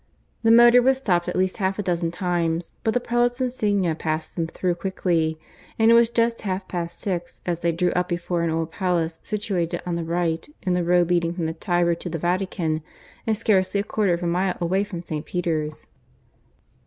The motor was stopped at least half a dozen times; but the prelate's insignia passed them through quickly; and it was just half past six as they drew up before an old palace situated on the right in the road leading from the Tiber to the Vatican, and scarcely a quarter of a mile away from St. Peter's.